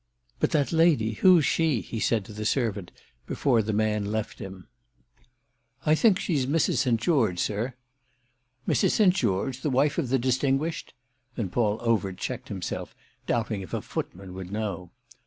"But that lady, who's she?" he said to the servant before the man left him. "I think she's Mrs. St. George, sir." "Mrs. St. George, the wife of the distinguished—" Then Paul Overt checked himself, doubting if a footman would know.